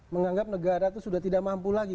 menganggap negara itu sudah tidak mampu lagi